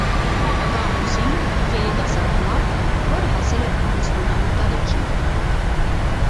Ապագա ամուսին, երիտասարդ մարդ, որը հասել է ամուսնանալու տարիքին։